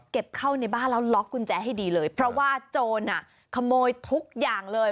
เข้าในบ้านแล้วล็อกกุญแจให้ดีเลยเพราะว่าโจรอ่ะขโมยทุกอย่างเลย